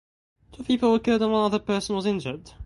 Two people were killed and one other person was injured.